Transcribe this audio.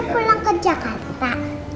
kita pulang ke jakarta